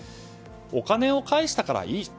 お金を返したからいい。